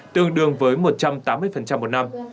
tương đương với một trăm tám mươi một năm